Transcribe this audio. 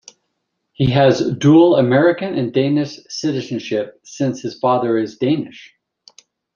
He has dual American and Danish citizenship, since his father is Danish.